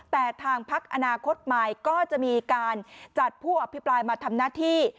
แต่ทางพักอนาคตใหม่ก็จะมีการจัดผู้อภิปรายมาทำหน้าที่